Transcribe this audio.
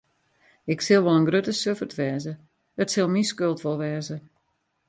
Ik sil wol in grutte suffert wêze, it sil myn skuld wol wêze.